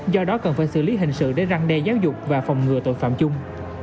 do đó cần phải xử lý hình sự để răng đe giáo dục và phòng ngừa tội phạm chung